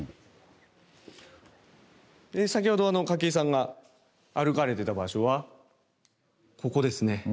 先ほど筧さんが歩かれてた場所はここですね。